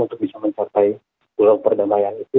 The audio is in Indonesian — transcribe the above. untuk bisa mencapai pulau perdamaian itu